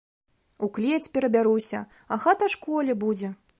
У клець перабяруся, а хата школе будзе!